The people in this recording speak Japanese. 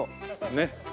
ねっ。